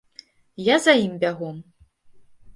Я за ім бягом.